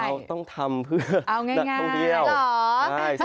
เราต้องทำเพื่อต้องเที่ยวเอาง่ายหรอ